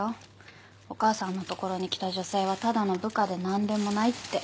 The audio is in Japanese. お母さんのところに来た女性はただの部下で何でもないって。